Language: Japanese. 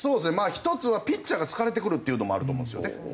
１つはピッチャーが疲れてくるっていうのもあると思うんですよね。